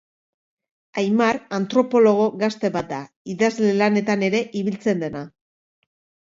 Aimar antropologo gazte bat da, idazle lanetan ere ibiltzen dena.